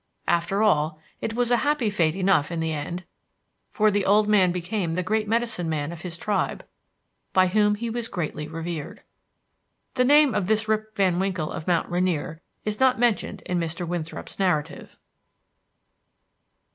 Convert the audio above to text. After all, it was a happy fate enough in the end, for the old man became the Great Medicine Man of his tribe, by whom he was greatly revered. The name of this Rip Van Winkle of Mount Rainier is not mentioned in Mr. Winthrop's narrative.